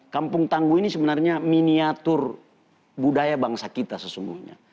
kampung tangguh ini sebenarnya miniatur budaya bangsa kita sesungguhnya